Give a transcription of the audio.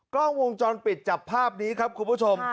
กล้องวงจรปิดจับภาพนี้ครับคุณผู้ชม